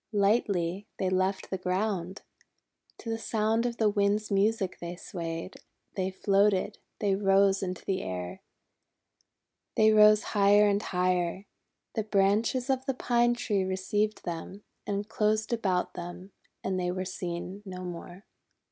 Lightly they left the ground. To the sound of the Wind's music they swayed, they floated, they rose into the air. They rose higher and higher. The branches of the Pine Tree re ceived them, and closed about them, and they were seen no more.